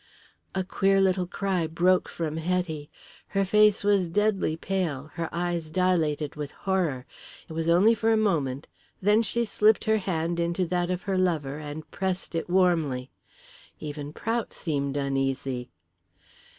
A queer little cry broke from Hetty. Her face was deadly pale, her eyes dilated with horror. It was only for a moment, then she slipped her hand into that of her lover and pressed it warmly. Even Prout seemed uneasy.